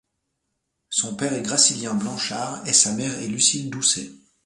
Son père est Gracilien Blanchard et sa mère est Lucille Doucet.